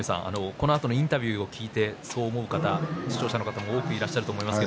このあとインタビューを聞いて、そう思う方多くいらっしゃると思います。